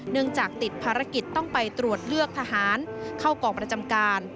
เนื่องจากติดภารกิจต้องไปตรวจเลือกทหารเข้ากองประจำการ